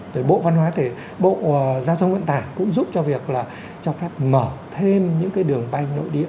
rồi bộ văn hóa thì bộ giao thông vận tả cũng giúp cho việc là cho phép mở thêm những cái đường bay nội địa